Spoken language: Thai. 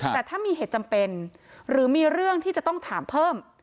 แต่ถ้ามีเหตุจำเป็นหรือมีเรื่องที่จะต้องถามเพิ่ม